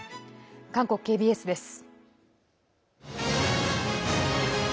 韓国ＫＢＳです。